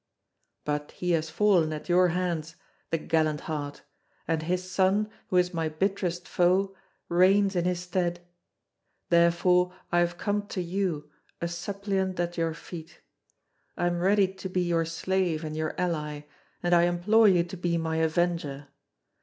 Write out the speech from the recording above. But he has fallen at your hands, the gallant heart, and his son, who is my bitterest foe, reigns in his stead. Therefore I have come to you, a suppliant at your feet. I am ready to be your slave and your ally, and I implore you to be my avenger.